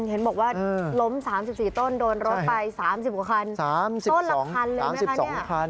เห็นบอกว่าล้ม๓๔ต้นโดนรถไป๓๐กว่าคัน